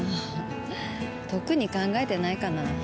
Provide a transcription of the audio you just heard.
特に考えてないかな。